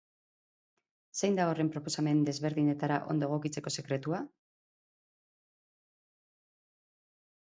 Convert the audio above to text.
Zein da horren proposamen desberdinetara ondo egokitzeko sekretua?